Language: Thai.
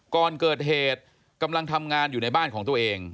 ก่อนเกิดเหตุกำลังทำงานอยู่ในบ้านของตัวเอง